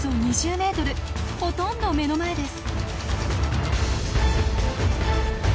ほとんど目の前です。